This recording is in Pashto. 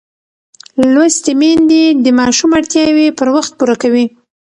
لوستې میندې د ماشوم اړتیاوې پر وخت پوره کوي.